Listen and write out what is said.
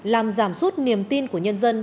làm giảm suốt niềm tin của nhân dân